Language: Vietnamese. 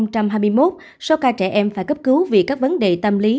năm hai nghìn hai mươi một số ca trẻ em phải cấp cứu vì các vấn đề tâm lý